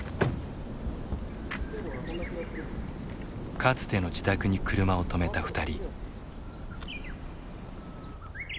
かつての自宅に車を止めた２人。